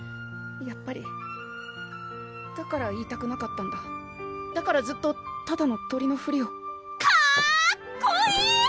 やっぱりだから言いたくなかったんだだからずっとただの鳥のふりをかっこいい！